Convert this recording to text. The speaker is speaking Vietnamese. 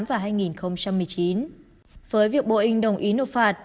với việc boeing đồng ý nộp phạt